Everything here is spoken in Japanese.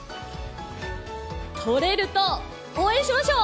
とれると応援しましょう！